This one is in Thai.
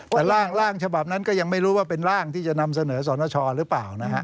แต่ร่างฉบับนั้นก็ยังไม่รู้ว่าเป็นร่างที่จะนำเสนอสรณชอหรือเปล่านะฮะ